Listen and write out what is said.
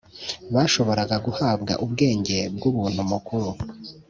bashoboraga guhabwa ubwenge bw ubuntu mukuru